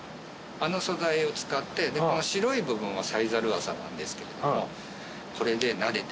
あの素材を使ってこの白い部分はサイザル麻なんですけれども。